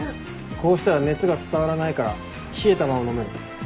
こうしたら熱が伝わらないから冷えたまま飲める。